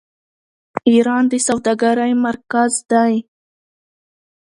ایران د سوداګرۍ مرکز دی.